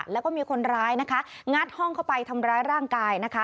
แล้วก็มีคนร้ายนะคะงัดห้องเข้าไปทำร้ายร่างกายนะคะ